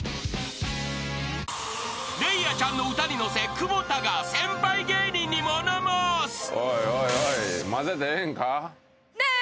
［礼愛ちゃんの歌に乗せ久保田が先輩芸人に物申す］